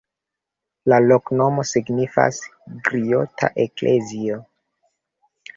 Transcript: La loknomo signifas: griota-eklezio.